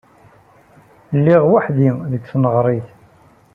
Lliɣ weḥd-i deg tneɣrit.